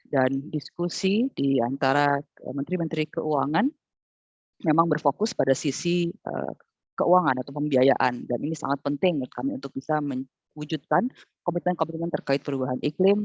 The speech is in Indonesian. dan diskusi diantara menteri menteri keuangan memang berfokus pada sisi keuangan atau pembiayaan dan ini sangat penting untuk kami untuk bisa mewujudkan komitmen komitmen terkait perubahan iklim